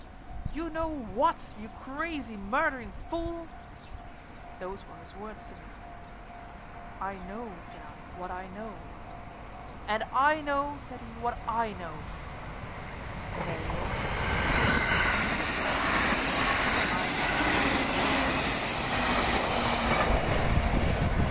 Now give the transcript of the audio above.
"You know what, you crazy, murdering fool?" Those were his words to me, sir. "I know," said I, "what I know." "And I know," said he, "what I know." And there you are, sir. He's Inspector. I'm nobody.